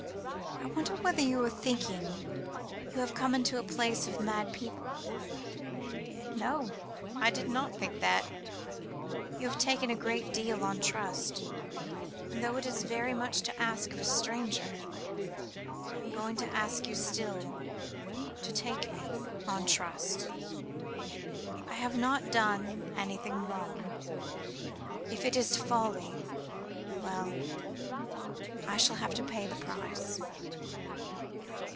I wonder whether you are thinking you have come into a place of mad people?" "No, I did not think that." "You have taken a great deal on trust, and though it is very much to ask of a stranger, I am going to ask you still to take me on trust. I have not done anything wrong; if it is folly well, I shall have to pay the price."